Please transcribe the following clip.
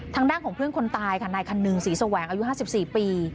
ทางด้านของเพื่อนคนตายค่ะนายคันหนึ่งศรีแสวงอายุ๕๔ปี